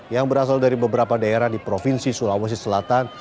yang berasal dari beberapa daerah di provinsi sulawesi selatan